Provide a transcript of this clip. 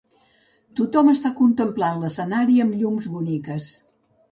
tothom està contemplant l'escenari amb llums boniques.